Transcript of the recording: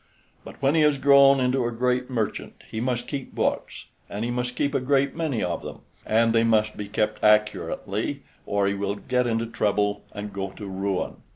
But when he has grown into a great merchant he must keep books, and he must keep a great many of them, and they must be kept accurately, or he will get into trouble and go to ruin.